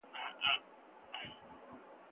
سم نیت خپګان نه زیاتوي.